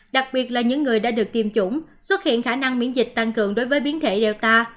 đặc biệt là những người đã được tiêm chủng xuất hiện khả năng miễn dịch tăng cường đối với biến thể relota